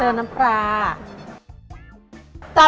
เติมน้ำปลา